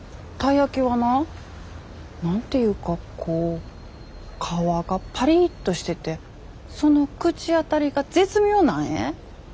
たい焼きはな何て言うかこう皮がパリッとしててその口当たりが絶妙なんえ。